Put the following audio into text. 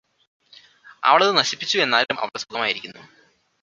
അവളത് നശിപ്പിച്ചു എന്നാലും അവള് സുഖമായിരിക്കുന്നു